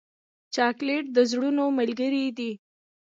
چاکلېټ د زړونو ملګری دی.